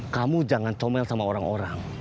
kamu jangan comel sama orang orang